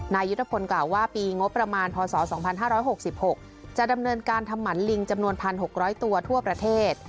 ยุทธพลกล่าวว่าปีงบประมาณพศ๒๕๖๖จะดำเนินการทำหมันลิงจำนวน๑๖๐๐ตัวทั่วประเทศ